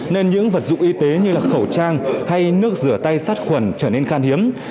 nên những vật dụng y tế như khẩu trang hay nước rửa tay sát khuẩn trở nên khan hiếm